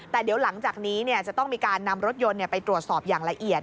แต่เดี๋ยวหลังจากนี้จะต้องมีการนำรถยนต์ไปตรวจสอบอย่างละเอียด